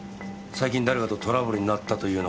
最近誰かとトラブルになったというような事は？